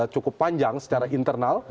cukup panjang secara internal